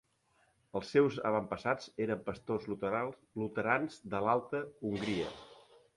Els seus avantpassats eren pastors luterans de l'alta Hongria.